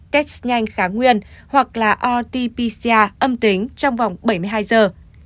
test nhanh khá nguyên hoặc rt pcr âm tính trong vòng bảy mươi hai giờ